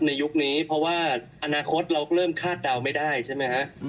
ยุคนี้เพราะว่าอนาคตเราก็เริ่มคาดเดาไม่ได้ใช่ไหมฮะ